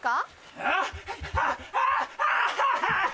あっ！